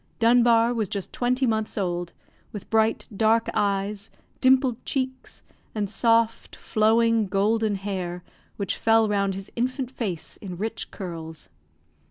Dunbar was just twenty months old, with bright, dark eyes, dimpled cheeks, and soft, flowing, golden hair, which fell round his infant face in rich curls.